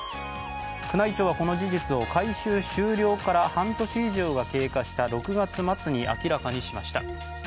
宮内庁は、この事実を改修終了から半年以上が経過した６月末に明らかにしました。